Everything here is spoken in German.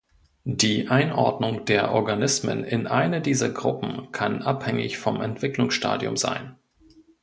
Die Einordnung der Organismen in eine dieser Gruppen kann abhängig vom Entwicklungsstadium sein.